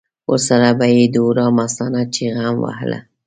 ورسره به یې د هورا مستانه چیغه هم وهله.